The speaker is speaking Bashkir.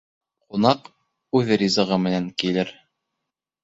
Ҡунаҡ үҙ ризығы менән килер.